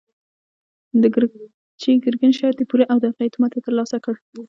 د ګرجي ګرګين شرط يې پوره او د هغه اعتماد يې تر لاسه کړ.